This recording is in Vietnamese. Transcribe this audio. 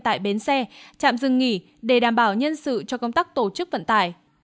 tại bến xe trạm dừng nghỉ để đảm bảo nhân sự cho công tác tổ chức vận tải